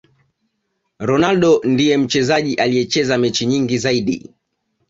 ronaldo ndiye mchezaji aliyecheza mechi nyingi zaidi